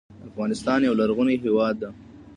افغانستان یو غرنې هیواد ده